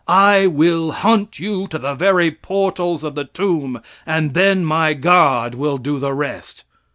I will hunt you to the very portals of the tomb, and then my God will do the rest.